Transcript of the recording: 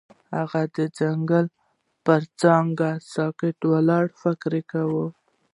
هغه د ځنګل پر څنډه ساکت ولاړ او فکر وکړ.